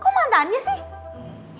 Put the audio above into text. kok mantannya sih